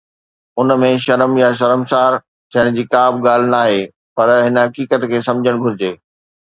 ان ۾ شرم يا شرمسار ٿيڻ جي ڪا به ڳالهه ناهي، پر هن حقيقت کي سمجهڻ گهرجي.